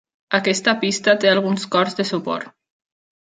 Aquesta pista té alguns cors de suport.